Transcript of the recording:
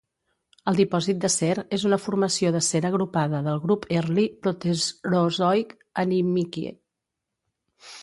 El dipòsit d'acer és una formació d'acer agrupada del grup Early Proterozoic Animikie.